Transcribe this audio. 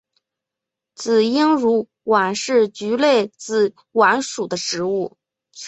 紫缨乳菀是菊科紫菀属的植物。